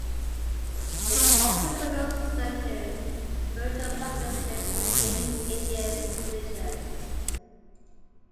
It also connotes certain spiritual practices in Indian religions.